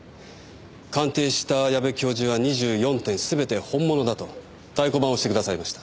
鑑定した矢部教授は２４点全て本物だと太鼓判を押して下さいました。